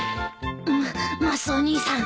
ママスオ兄さん。